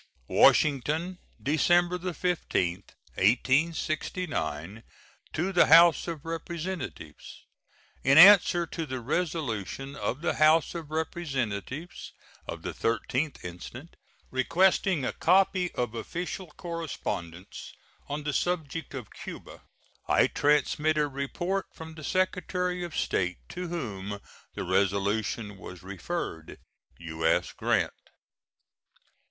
WASHINGTON, December 15, 1869. To the House of Representatives: In answer to the resolution of the House of Representatives of the 13th instant, requesting a copy of official correspondence on the subject of Cuba, I transmit a report from the Secretary of State, to whom the resolution was referred. U.S. GRANT.